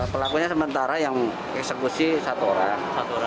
pelakunya sementara yang eksekusi satu orang